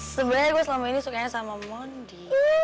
sebenarnya gue selama ini sukanya sama mondi